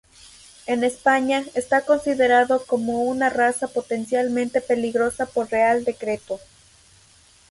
En España está considerado como una raza potencialmente peligrosa por Real decreto.